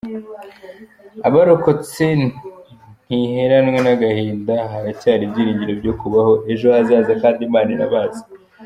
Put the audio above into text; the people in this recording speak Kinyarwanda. Abarokotse ntiheranwe n’agahinda haracyari ibyiringiro byo kubaho ejo hazaza kandi Imana irabazi.